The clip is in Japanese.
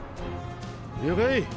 了解！